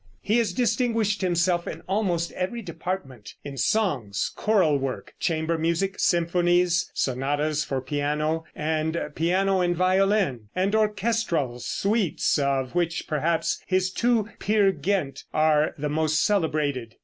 He has distinguished himself in almost every department, in songs, choral work, chamber music, symphonies, sonatas for piano and piano and violin, and orchestral suites, of which perhaps his two "Peer Gynt" are the most celebrated.